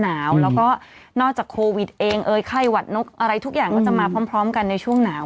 หนาวแล้วก็นอกจากโควิดเองเอ่ยไข้หวัดนกอะไรทุกอย่างก็จะมาพร้อมกันในช่วงหนาว